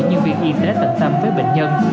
nhân viên y tế tận tâm với bệnh nhân